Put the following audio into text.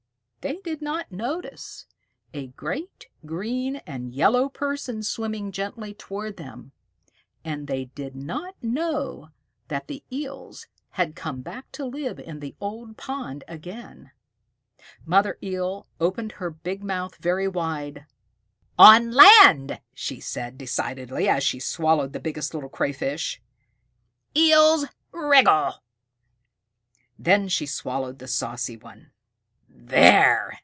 Page 186] They did not notice a great green and yellow person swimming gently toward them, and they did not know that the Eels had come back to live in the old pond again. Mother Eel opened her big mouth very wide. "On land," she said decidedly, as she swallowed the Biggest Little Crayfish, "Eels wriggle." Then she swallowed the Saucy Crayfish. "There!"